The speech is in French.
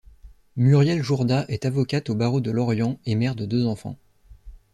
Muriel Jourda est avocate au barreau de Lorient et mère de deux enfants.